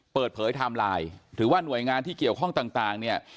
ไทม์ไลน์ถือว่าหน่วยงานที่เกี่ยวข้องต่างเนี่ย